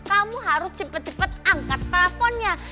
kamu harus cepet angkat teleponnya